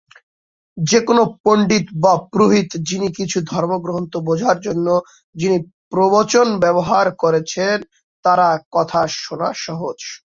যে কোনও পণ্ডিত বা পুরোহিত যিনি কিছু ধর্মগ্রন্থ বোঝার জন্য যিনি প্রবচন ব্যবহার করছেন তার কথা শোনা সহজ।